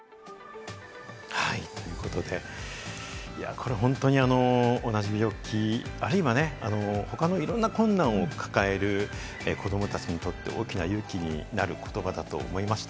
これ本当に、同じ病気、あるいは他のいろんな困難を抱える子どもたちにとって、大きな勇気になる言葉だと思いました。